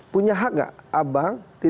punya hak gak abang